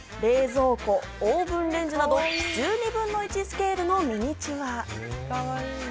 冷蔵庫、オーブンレンジなど１２分の１スケールのミニチュア。